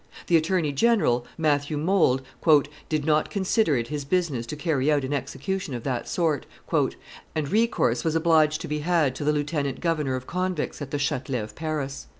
The attorney general, Matthew Mold, "did not consider it his business to carry out an execution of that sort: "and recourse was obliged to be had to the lieutenant governor of convicts at the Chatelet of Paris.